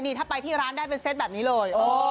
นี่ถ้าไปที่ร้านได้เป็นเซตแบบนี้เลย